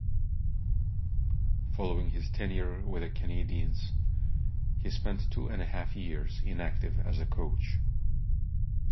Following his tenure with the Canadiens, he spent two-and-a-half years inactive as a coach.